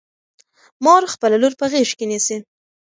مور خپله لور په غېږ کې نیسي.